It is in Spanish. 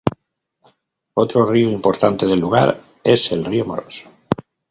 Otro río importante del lugar es el río Moros.